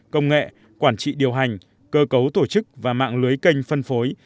công nghệ quản trị điều hành cơ cấu tổ chức và mạng lưới kênh phân phối